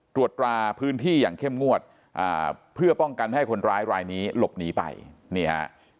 ตรวจตราพื้นที่อย่างเข้มงวดอ่าเพื่อป้องกันไม่ให้คนร้ายรายนี้หลบหนีไปนี่ฮะ